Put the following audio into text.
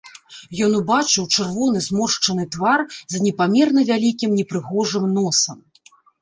Ён убачыў чырвоны зморшчаны твар з непамерна вялікім непрыгожым носам.